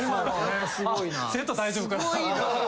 セット大丈夫かな。